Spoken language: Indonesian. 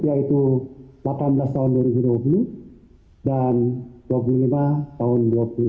yaitu delapan belas tahun dua ribu dua puluh dan dua puluh lima tahun dua ribu dua puluh